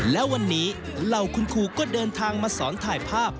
และวันนี้เหล่าคุณครูก็เดินทางมาสอนถ่ายภาพ